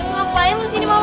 ngapain lu sini malem